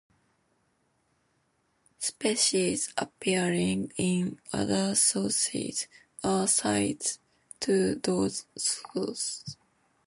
Species appearing in other sources are cited to those sources.